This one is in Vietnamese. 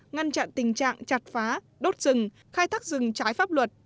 ngăn chặn tình trạng chặt phá đốt rừng khai thác rừng trái pháp luật